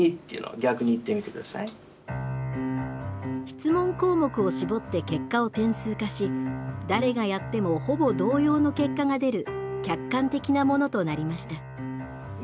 質問項目を絞って結果を点数化し誰がやってもほぼ同様の結果が出る客観的なものとなりました。